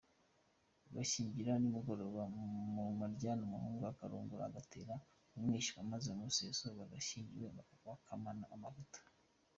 Bashyingira nimugoroba, mu maryama umuhungu akarongora agatera umwishywa, maze mu museso abashyingiwe bakamara amavuta.